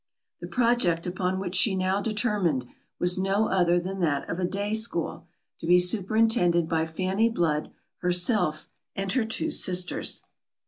The project upon which she now determined, was no other than that of a day school, to be superintended by Fanny Blood, herself, and her two sisters.